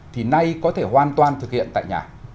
thì nay có thể hoàn toàn thực hiện tại nhà